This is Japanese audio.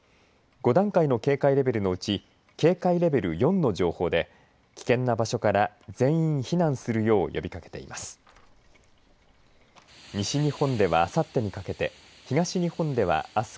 ５段階の警戒レベルのうち警戒レベル４の情報で危険な場所から全員避難するよう呼びかけています。